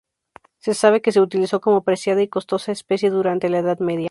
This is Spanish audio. Se sabe que se utilizó como preciada y costosa especia durante la Edad Media.